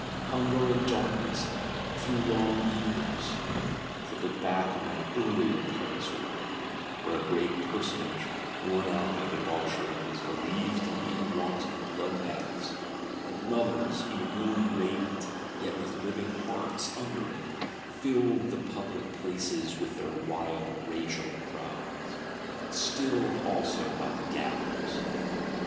Hunger and Darkness, through long years! For look back on that earlier Paris Riot, when a Great Personage, worn out by debauchery, was believed to be in want of Blood baths; and Mothers, in worn raiment, yet with living hearts under it, "filled the public places" with their wild Rachel cries,—stilled also by the Gallows.